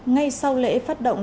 ngay sau lễ phát động